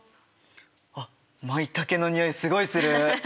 あっマイタケのにおいすごいする。